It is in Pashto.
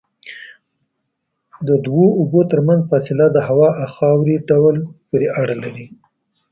د دوو اوبو ترمنځ فاصله د هوا او خاورې ډول پورې اړه لري.